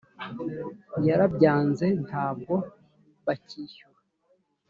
yarabyanze ntabwo bakishyura.